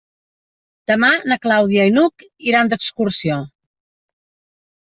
Demà na Clàudia i n'Hug iran d'excursió.